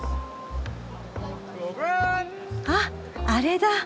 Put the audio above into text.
あっあれだ。